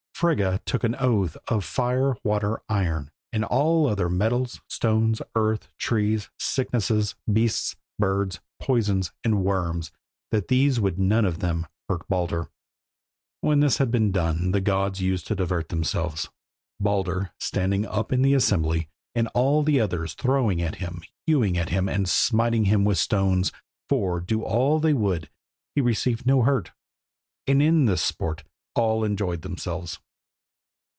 Frigga took an oath of fire, water, iron, and all other metals, stones, earth, trees, sicknesses, beasts, birds, poisons, and worms, that these would none of them hurt Baldur. When this had been done the gods used to divert themselves, Baldur standing up in the assembly, and all the others throwing at him, hewing at him, and smiting him with stones, for, do all they would, he received no hurt, and in this sport all enjoyed themselves.